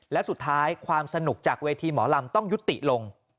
และสุดท้ายความสนุกจากเวทีหมอลำต้องยุติลง